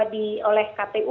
di oleh kpu